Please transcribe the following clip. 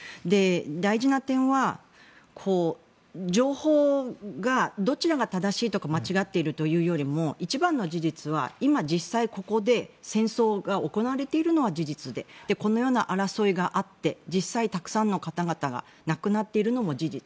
大事な点は、情報がどちらが正しいとか間違っているよりも一番の事実は今、実際ここで戦争が行われているのは事実でこのような争いがあって実際、たくさんの方々が亡くなっているのも事実。